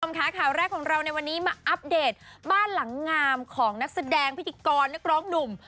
ค่ะข่าวแรกของเราในวันนี้มาอัปเดตบ้านหลังงามของนักแสดงพิธีกรนักร้องหนุ่ม